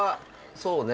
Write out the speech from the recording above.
そうね